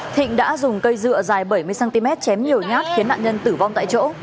thịnh đã dùng cây dựa dài bảy mươi cm chém nhiều nhát khiến nạn nhân tử vong tại chỗ